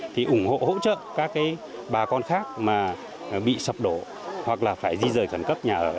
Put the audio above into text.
thì ủng hộ hỗ trợ các cái bà con khác mà bị sập đổ hoặc là phải di rời khẩn cấp nhà ở